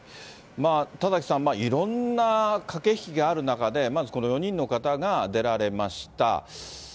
田崎さん、いろんな駆け引きがある中で、まずこの４人の方が出られました。